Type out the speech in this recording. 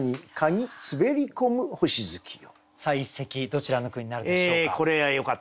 どちらの句になるでしょうか？